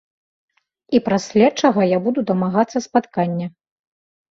І праз следчага я буду дамагацца спаткання.